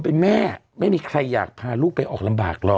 เพราะถือว่าเหตุการณ์ที่เกิดขึ้นมันเกิดจากการที่คุณหมอเดินข้ามทางมาลายแล้ว